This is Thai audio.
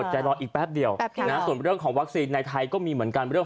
อดใจรออีกแป๊บเดียวแป๊บครับนะส่วนเรื่องของวัคซีนในไทยก็มีเหมือนกัน